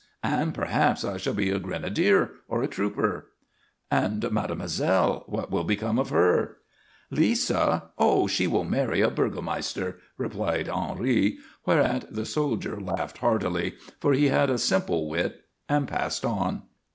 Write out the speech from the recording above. And perhaps I shall be a grenadier or a trooper." "And mademoiselle, what will then become of her?" "Lisa? Oh, she will marry a burgomaster," replied Henri; whereat the soldier laughed heartily, for he had a simple wit, and passed on.